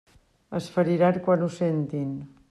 Es feriran quan ho sentin.